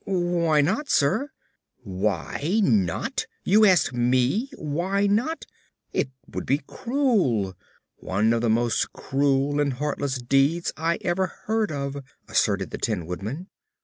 "Why not, sir?" "Why not? You ask me why not? It would be cruel one of the most cruel and heartless deeds I ever heard of," asserted the Tin Woodman.